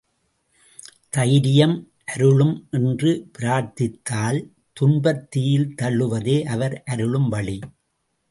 தைரியம் அருளும் என்று பிரார்த்தித்தால், துன்பத் தீயில் தள்ளுவதே அவர் அருளும் வழி.